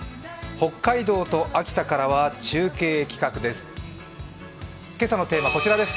北海道と秋田からは中継企画です。